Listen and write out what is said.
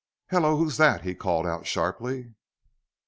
"Hello! Who's that?" he called out, sharply.